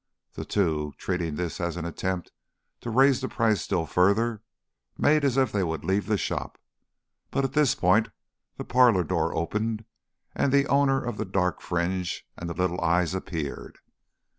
The two, treating this as an attempt to raise the price still further, made as if they would leave the shop. But at this point the parlour door opened, and the owner of the dark fringe and the little eyes appeared.